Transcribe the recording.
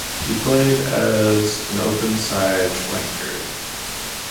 He played as an openside flanker.